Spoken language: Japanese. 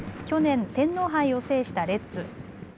去年、天皇杯を制したレッズ。